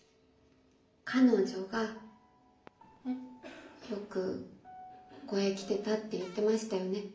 彼女がよくここへ来てたって言ってましたよね？